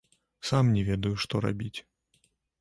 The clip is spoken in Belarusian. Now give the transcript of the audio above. Сам не ведаю, што рабіць.